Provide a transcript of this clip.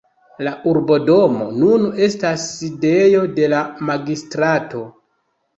La urbodomo nun estas sidejo de la magistrato.